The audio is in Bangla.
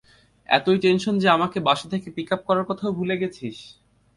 এতোই টেনশন যে আমাকে বাসা থেকে পিক আপ করার কথাও ভুলে গেছিস?